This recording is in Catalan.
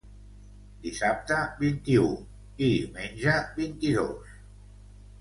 Dissabte vint-i-u i diumenge vint-i-dos.